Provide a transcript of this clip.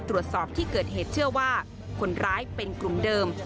ตรวจสอบที่เกิดเหตุเชื่อว่าคนร้ายเป็นกลุ่มเดิม